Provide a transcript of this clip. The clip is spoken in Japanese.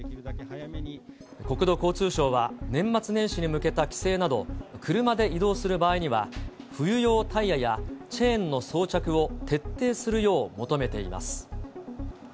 国土交通省は、年末年始に向けた帰省など、車で移動する場合には、冬用タイヤやチェーンの装着を徹底するよう求めています。